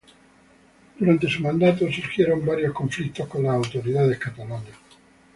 Durante su mandato surgieron varios conflictos con las autoridades catalanas.